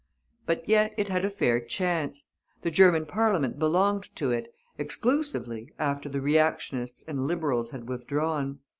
But yet, it had a fair chance. The German Parliament belonged to it, exclusively, after the Reactionists and Liberals had withdrawn.